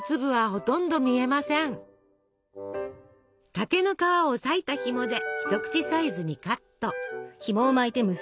竹の皮をさいたひもで一口サイズにカット。